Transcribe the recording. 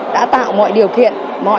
đã tạo mọi điều kiện